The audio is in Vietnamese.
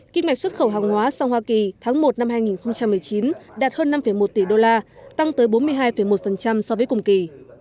kinh mạch xuất khẩu hàng hóa sang hoa kỳ tháng một năm hai nghìn một mươi chín đạt hơn năm một tỷ đô la tăng tới bốn mươi hai một so với cùng kỳ